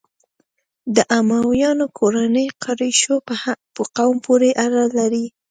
د امویانو کورنۍ قریشو په قوم پورې اړه لري.